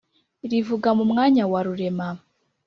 Rivuga mu mwanya wa Rurema